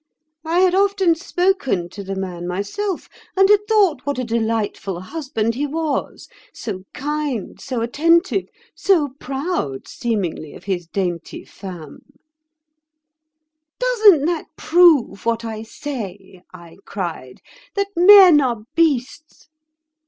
I had often spoken to the man myself, and had thought what a delightful husband he was—so kind, so attentive, so proud, seemingly, of his dainty femme. 'Doesn't that prove what I say,' I cried, 'that men are beasts?